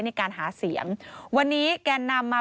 ในการหาเสียงวันนี้แกนนำมา